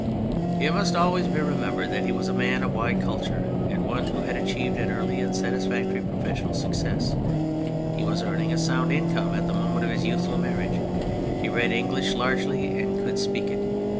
It must always be remembered that he was a man of wide culture and one who had achieved an early and satisfactory professional success ; he was earning a sound income at the moment of his youthful marriage; he read English largely and could speak it.